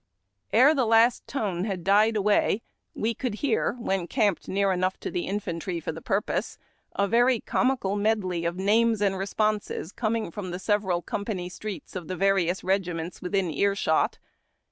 135 Ere the last tone had died away, we could hear, when camped near enough to the infantry for the purpose, a very comical medley of names and responses coming from the several company streets of the various regiments within ear shot.